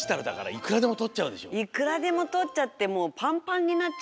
いくらでもとっちゃってパンパンになっちゃうんですよね。